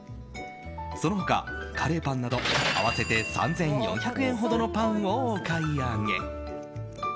その他、カレーパンなど合わせて３４００円ほどのパンをお買い上げ。